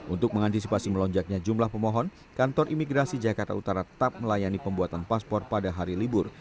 untuk mengantisipasi melonjaknya jumlah pemohon kantor imigrasi jakarta utara tetap melayani pembuatan paspor pada hari libur